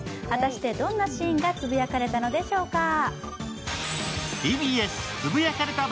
果たして、どんなシーンがつぶやかれたのでしょうか。